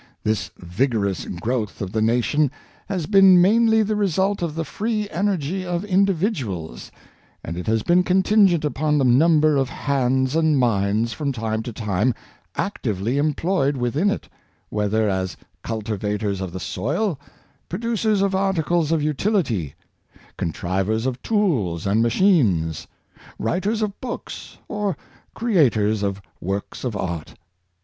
This vigorous growth of the nation has been mainly the result of the free energy of individuals, and it has been contingent upon the number of hands and minds from time to time activel}^ employed within it, whether as cultivators of the soil, producers of articles of utility, contrivers of tools and machines, writers of books, or creators of works of art.